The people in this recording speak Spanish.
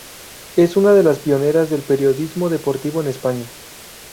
Es una de las pioneras del periodismo deportivo en España.